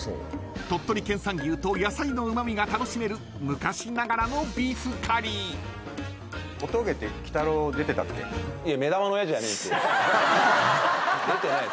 ［鳥取県産牛と野菜のうま味が楽しめる昔ながらのビーフカリー］出てないっす。